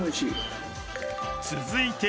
［続いて］